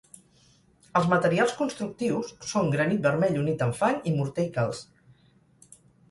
Els materials constructius són granit vermell unit amb fang i morter i calç.